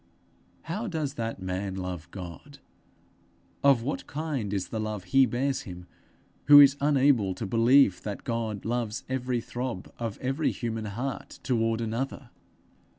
How does that man love God of what kind is the love he bears him who is unable to believe that God loves every throb of every human heart toward another?